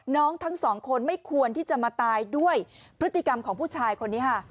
ทั้งสองคนไม่ควรที่จะมาตายด้วยพฤติกรรมของผู้ชายคนนี้ค่ะ